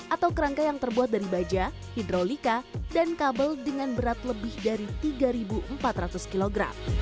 atau kerangka yang terbuat dari baja hidrolika dan kabel dengan berat lebih dari tiga empat ratus kg